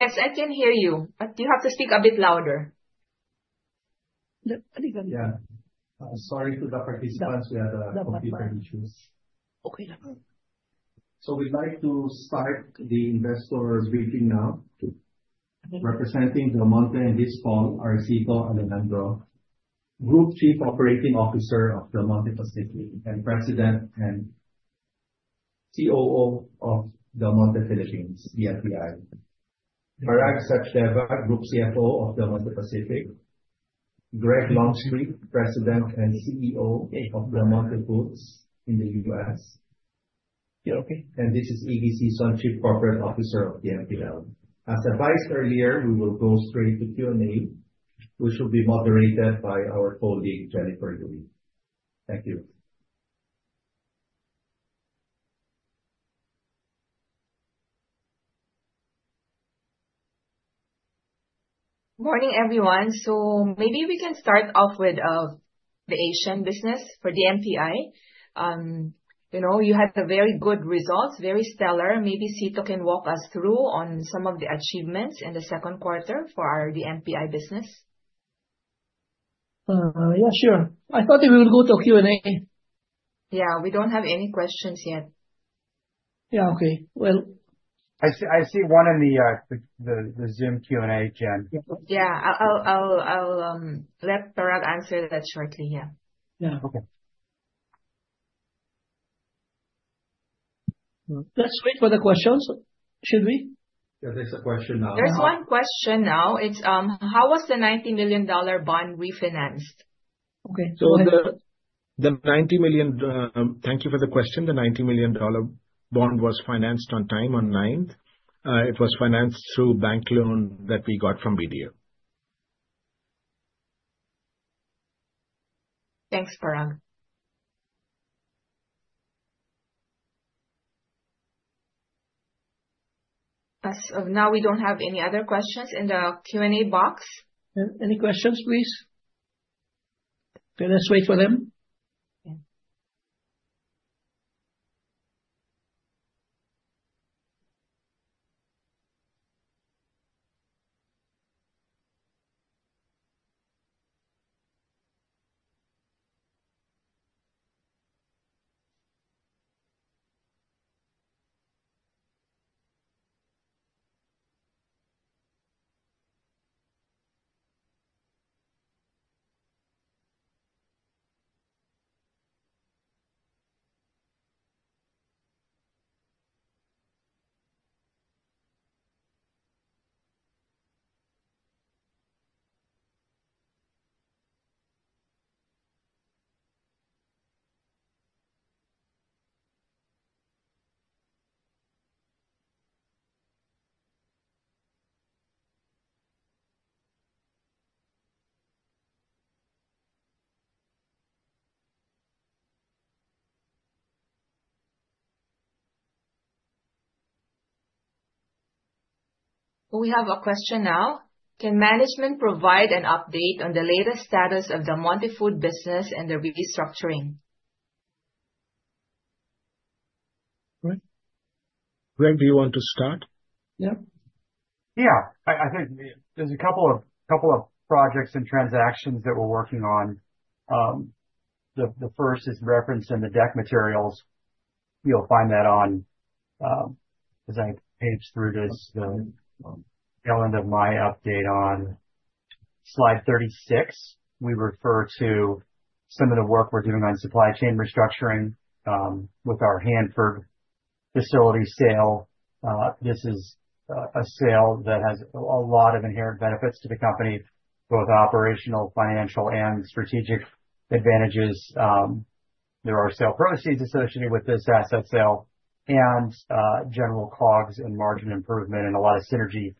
Yes, I can hear you. You have to speak a bit louder. Yeah. Sorry to the participants, we had computer issues. So we'd like to start the investor briefing now. Representing Del Monte, this call, Aristotle Alejandro, Group Chief Operating Officer of Del Monte Pacific, and President and COO of Del Monte Philippines, DMPI. Parag Sachdeva, Group CFO of Del Monte Pacific. Greg Longstreet, President and CEO of Del Monte Foods in the US. You're okay. is Ignacio "Sito" Sison, Chief Corporate Officer of DMPL. As advised earlier, we will go straight to Q&A, which will be moderated by our colleague, Jennifer Luy. Thank you. Morning, everyone. So maybe we can start off with the Asian business for DMPI. You had very good results, very stellar. Maybe Sito can walk us through on some of the achievements in the second quarter for our DMPI business. Yeah, sure. I thought we would go to Q&A. Yeah, we don't have any questions yet. Yeah, okay. Well. I see one in the Zoom Q&A, Jen. Yeah, I'll let Parag answer that shortly. Yeah. Yeah, okay. Let's wait for the questions. Should we? There's a question now. There's one question now. It's, how was the $90 million bond refinanced? Okay. So the $90 million, thank you for the question. The $90 million bond was financed on time, on the 9th. It was financed through a bank loan that we got from BDO. Thanks, Parag. Now, we don't have any other questions in the Q&A box. Any questions, please? Let's wait for them. We have a question now. Can management provide an update on the latest status of the Del Monte Foods business and the restructuring? Greg, do you want to start? Yeah. Yeah. I think there's a couple of projects and transactions that we're working on. The first is referenced in the deck materials. You'll find that on, as I page through this, the tail end of my update on slide 36. We refer to some of the work we're doing on supply chain restructuring with our Hanford facility sale. This is a sale that has a lot of inherent benefits to the company, both operational, financial, and strategic advantages. There are sale proceeds associated with this asset sale, and general COGS and margin improvement, and a lot of synergy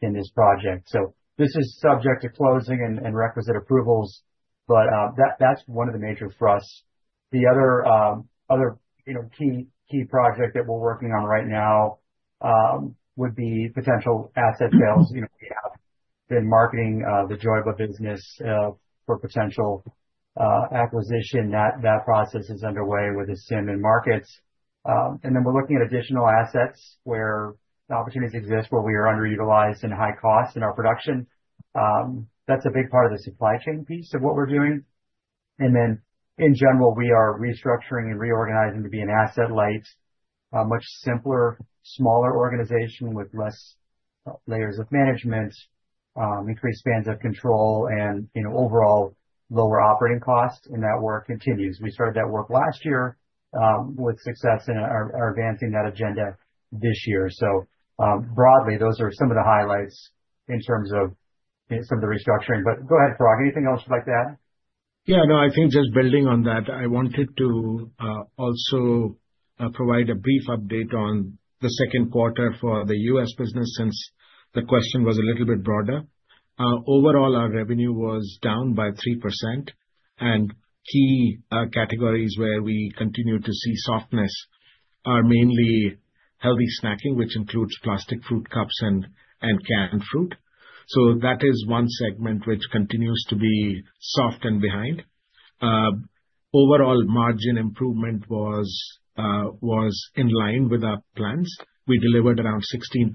in this project. So this is subject to closing and requisite approvals, but that's one of the major thrusts. The other key project that we're working on right now would be potential asset sales. We have been marketing the Joyba business for potential acquisition. That process is underway with the CIM and markets. And then we're looking at additional assets where the opportunities exist, where we are underutilized and high cost in our production. That's a big part of the supply chain piece of what we're doing. And then, in general, we are restructuring and reorganizing to be an asset-light, much simpler, smaller organization with less layers of management, increased spans of control, and overall lower operating costs. And that work continues. We started that work last year with success in advancing that agenda this year. So broadly, those are some of the highlights in terms of some of the restructuring. But go ahead, Parag. Anything else you'd like to add? Yeah. No, I think just building on that, I wanted to also provide a brief update on the second quarter for the U.S. business since the question was a little bit broader. Overall, our revenue was down by 3%. And key categories where we continue to see softness are mainly healthy snacking, which includes plastic fruit cups and canned fruit. So that is one segment which continues to be soft and behind. Overall margin improvement was in line with our plans. We delivered around 16%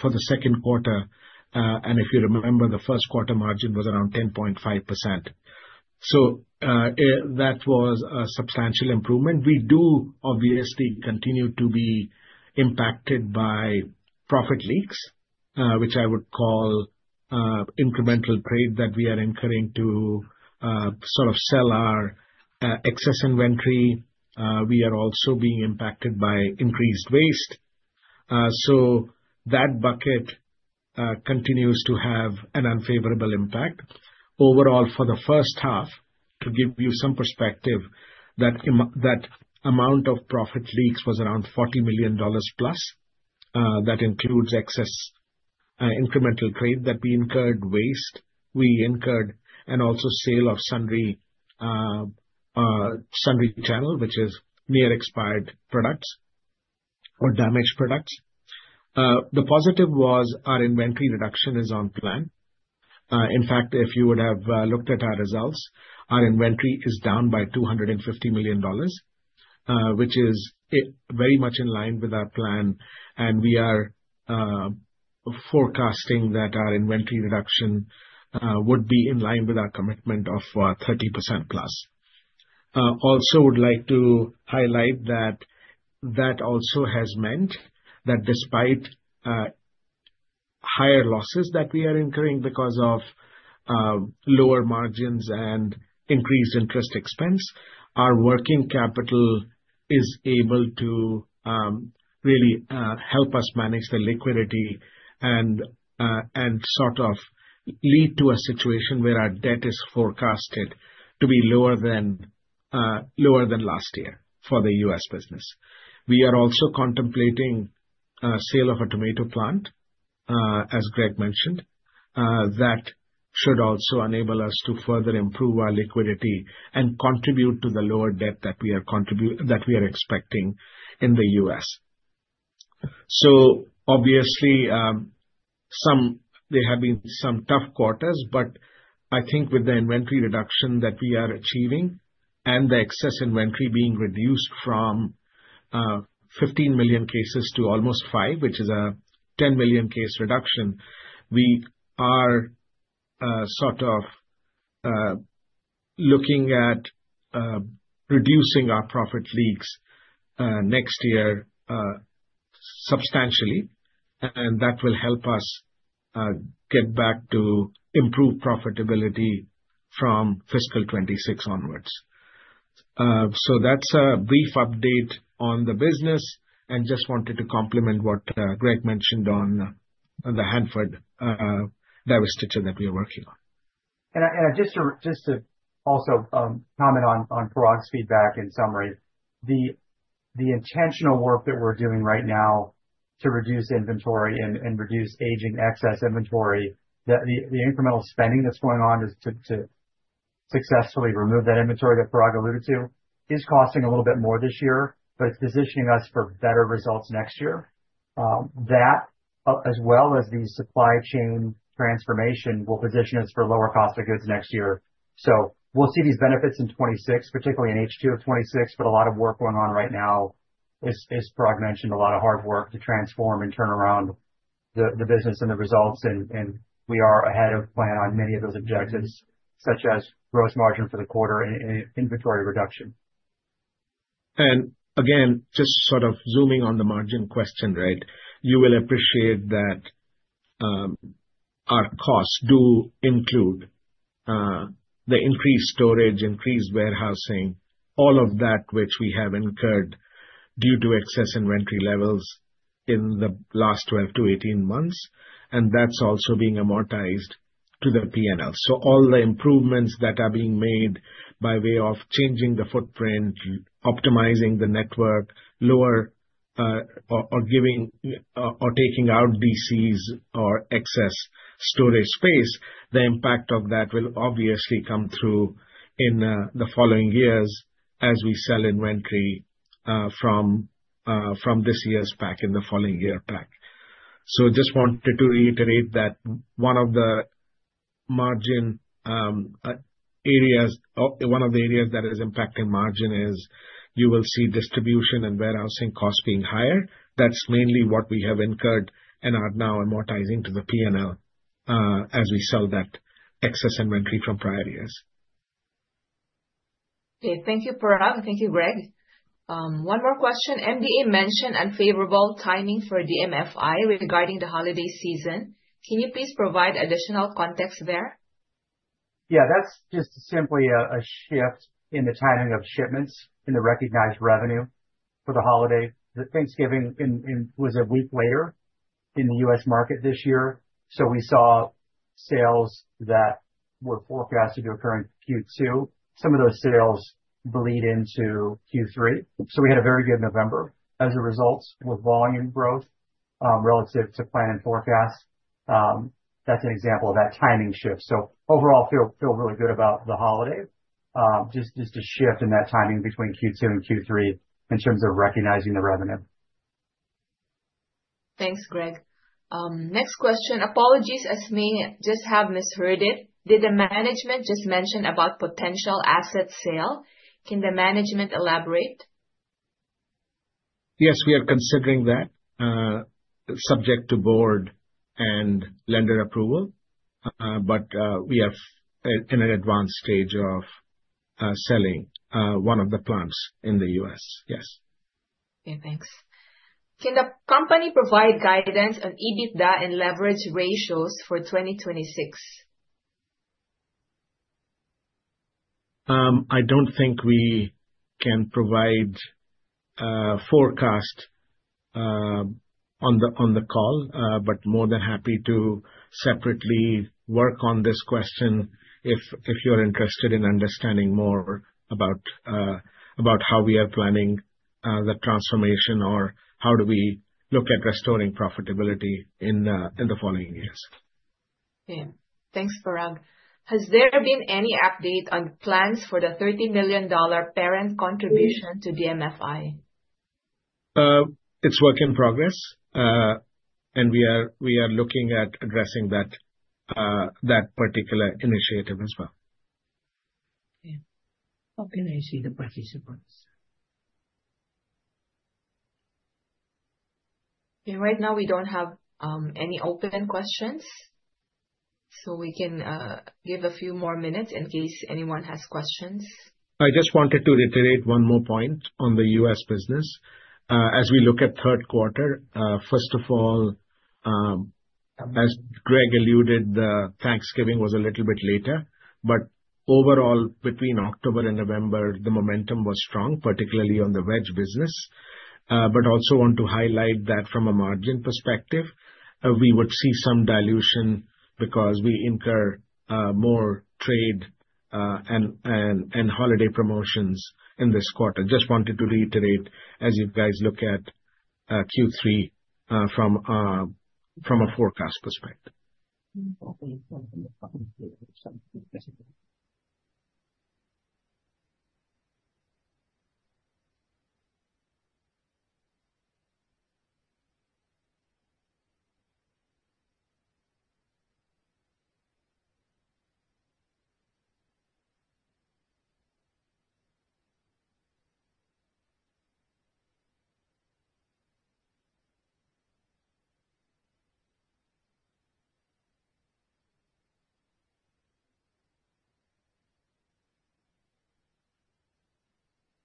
for the second quarter. And if you remember, the first quarter margin was around 10.5%. So that was a substantial improvement. We do, obviously, continue to be impacted by profit leaks, which I would call incremental trade that we are incurring to sort of sell our excess inventory. We are also being impacted by increased waste. So that bucket continues to have an unfavorable impact. Overall, for the first half, to give you some perspective, that amount of profit leaks was around $40 million plus. That includes excess incremental trade that we incurred, waste we incurred, and also sale of secondary channel, which is near-expired products or damaged products. The positive was our inventory reduction is on plan. In fact, if you would have looked at our results, our inventory is down by $250 million, which is very much in line with our plan, and we are forecasting that our inventory reduction would be in line with our commitment of 30% plus. Also, I would like to highlight that that also has meant that despite higher losses that we are incurring because of lower margins and increased interest expense, our working capital is able to really help us manage the liquidity and sort of lead to a situation where our debt is forecasted to be lower than last year for the U.S. business. We are also contemplating sale of a tomato plant, as Greg mentioned. That should also enable us to further improve our liquidity and contribute to the lower debt that we are expecting in the U.S. So obviously, there have been some tough quarters, but I think with the inventory reduction that we are achieving and the excess inventory being reduced from 15 million cases to almost 5, which is a 10 million case reduction, we are sort of looking at reducing our profit leaks next year substantially. And that will help us get back to improved profitability from Fiscal 26 onwards. So that's a brief update on the business and just wanted to complement what Greg mentioned on the Hanford divestiture that we are working on. And just to also comment on Parag's feedback in summary, the intentional work that we're doing right now to reduce inventory and reduce aging excess inventory, the incremental spending that's going on to successfully remove that inventory that Parag alluded to is costing a little bit more this year, but it's positioning us for better results next year. That, as well as the supply chain transformation, will position us for lower cost of goods next year. So we'll see these benefits in 2026, particularly in H2 of 2026, but a lot of work going on right now is, Parag mentioned, a lot of hard work to transform and turn around the business and the results. And we are ahead of plan on many of those objectives, such as gross margin for the quarter and inventory reduction. And again, just sort of zooming on the margin question, right? You will appreciate that our costs do include the increased storage, increased warehousing, all of that which we have incurred due to excess inventory levels in the last 12-18 months. And that's also being amortized to the P&L. So all the improvements that are being made by way of changing the footprint, optimizing the network, lower or taking out DCs or excess storage space, the impact of that will obviously come through in the following years as we sell inventory from this year's pack and the following year pack. So just wanted to reiterate that one of the margin areas, one of the areas that is impacting margin is you will see distribution and warehousing costs being higher. That's mainly what we have incurred and are now amortizing to the P&L as we sell that excess inventory from prior years. Okay. Thank you, Parag. Thank you, Greg. One more question. MD&A mentioned unfavorable timing for DMFI regarding the holiday season. Can you please provide additional context there? Yeah, that's just simply a shift in the timing of shipments in the recognized revenue for the holiday. Thanksgiving was a week later in the U.S. market this year. So we saw sales that were forecasted to occur in Q2. Some of those sales bleed into Q3. So we had a very good November as a result with volume growth relative to plan and forecast. That's an example of that timing shift. So overall, feel really good about the holiday. Just a shift in that timing between Q2 and Q3 in terms of recognizing the revenue. Thanks, Greg. Next question. Apologies, as we just have misheard it. Did the management just mention about potential asset sale? Can the management elaborate? Yes, we are considering that, subject to board and lender approval, but we are in an advanced stage of selling one of the plants in the U.S. Yes. Okay. Thanks. Can the company provide guidance on EBITDA and leverage ratios for 2026? I don't think we can provide a forecast on the call, but more than happy to separately work on this question if you're interested in understanding more about how we are planning the transformation or how do we look at restoring profitability in the following years. Okay. Thanks, Parag. Has there been any update on plans for the $30 million parent contribution to DMFI? It's work in progress, and we are looking at addressing that particular initiative as well. Okay. How can I see the participants? Okay. Right now, we don't have any open questions. So we can give a few more minutes in case anyone has questions. I just wanted to reiterate one more point on the U.S. business. As we look at third quarter, first of all, as Greg alluded, Thanksgiving was a little bit later. But overall, between October and November, the momentum was strong, particularly on the veg business. But also want to highlight that from a margin perspective, we would see some dilution because we incur more trade and holiday promotions in this quarter. Just wanted to reiterate as you guys look at Q3 from a forecast perspective.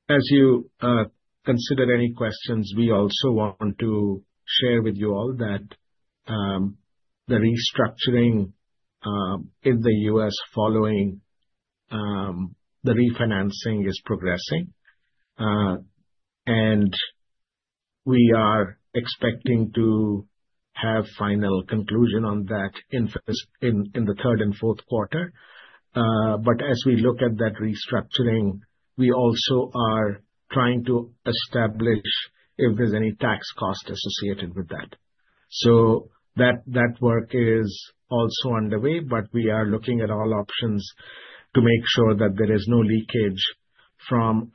As you consider any questions, we also want to share with you all that the restructuring in the U.S. following the refinancing is progressing. And we are expecting to have final conclusion on that in the third and fourth quarter. But as we look at that restructuring, we also are trying to establish if there's any tax cost associated with that. So that work is also underway, but we are looking at all options to make sure that there is no leakage from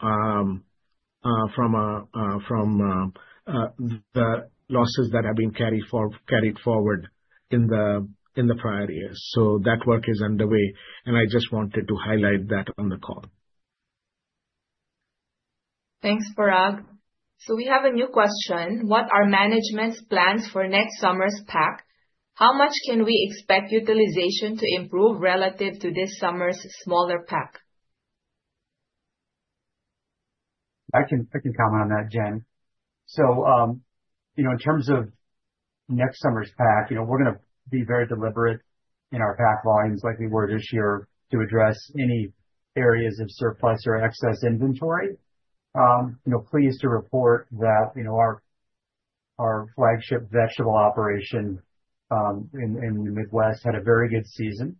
the losses that have been carried forward in the prior years. So that work is underway. And I just wanted to highlight that on the call. Thanks, Parag. So we have a new question. What are management's plans for next summer's pack? How much can we expect utilization to improve relative to this summer's smaller pack? I can comment on that, Jen. So in terms of next summer's pack, we're going to be very deliberate in our pack volumes like we were this year to address any areas of surplus or excess inventory. Pleased to report that our flagship vegetable operation in the Midwest had a very good season.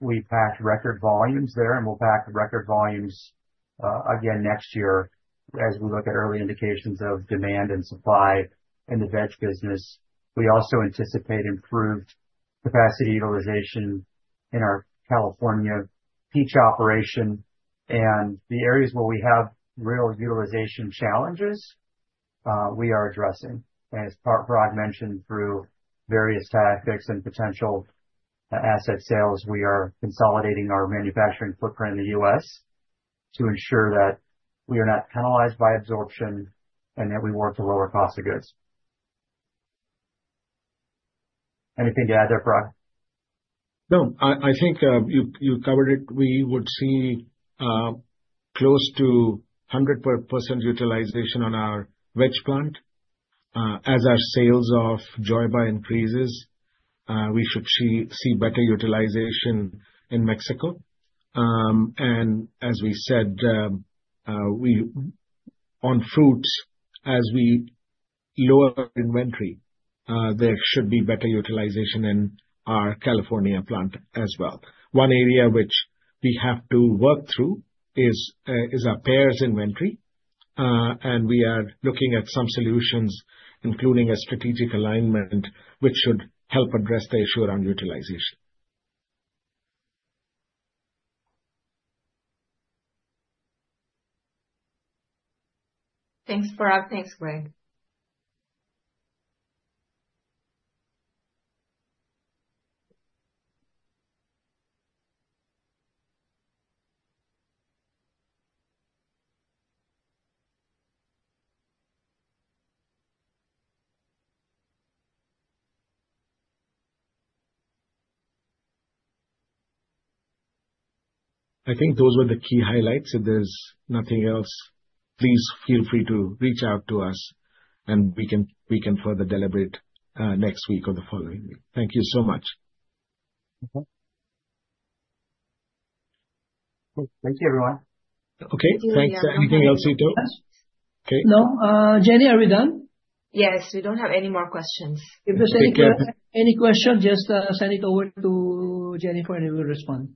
We packed record volumes there, and we'll pack record volumes again next year as we look at early indications of demand and supply in the veg business. We also anticipate improved capacity utilization in our California peach operation. And the areas where we have real utilization challenges, we are addressing. As Parag mentioned, through various tactics and potential asset sales, we are consolidating our manufacturing footprint in the U.S. to ensure that we are not penalized by absorption and that we work to lower cost of goods. Anything to add there, Parag? No. I think you covered it. We would see close to 100% utilization on our veg plant. As our sales of Joyba increases, we should see better utilization in Mexico. And as we said, on fruits, as we lower inventory, there should be better utilization in our California plant as well. One area which we have to work through is our pears inventory. And we are looking at some solutions, including a strategic alignment, which should help address the issue around utilization. Thanks, Parag. Thanks, Greg. I think those were the key highlights. If there's nothing else, please feel free to reach out to us, and we can further deliberate next week or the following week. Thank you so much. Thank you, everyone. Okay. Thanks. Anything else you do? Okay. No, Jenny, are we done? Yes. We don't have any more questions. If there's any question, just send it over to Jenny for any response.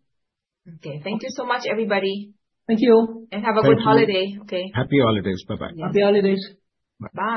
Okay. Thank you so much, everybody. Thank you. And have a good holiday. Okay. Happy holidays. Bye-bye. Happy holidays. Bye.